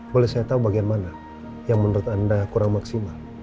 boleh saya tahu bagaimana yang menurut anda kurang maksimal